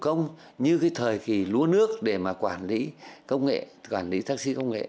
công như cái thời kỳ lúa nước để mà quản lý công nghệ quản lý taxi công nghệ